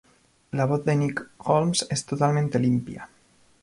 La voz de Nick Holmes es totalmente limpia.